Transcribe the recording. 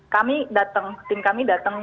kami datang tim kami datang